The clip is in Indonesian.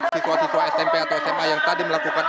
siswa siswa smp atau sma yang tadi melakukan